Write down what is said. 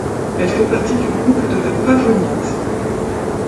Elle fait partie du groupe de la pavonite.